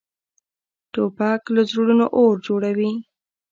توپک له زړونو اور جوړوي.